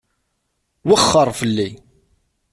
Wexxeṛ fell-i.